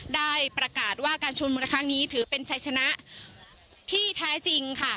ได้ประกาศว่าการชุมนุมครั้งนี้ถือเป็นชัยชนะที่แท้จริงค่ะ